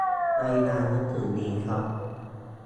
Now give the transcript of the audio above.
ในงานหนังสือนี้ครับ